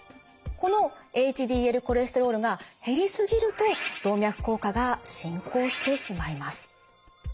このＨＤＬコレステロールが減りすぎると動脈硬化が進行してしまいます。